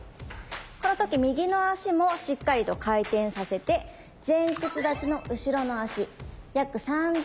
この時右の足もしっかりと回転させて前屈立ちの後ろの足約３０度開きましたね。